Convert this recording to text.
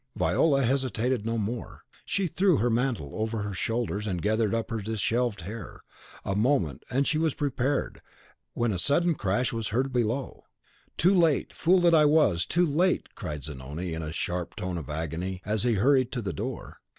Viola hesitated no more. She threw her mantle over her shoulders, and gathered up her dishevelled hair; a moment, and she was prepared, when a sudden crash was heard below. "Too late! fool that I was, too late!" cried Zanoni, in a sharp tone of agony, as he hurried to the door.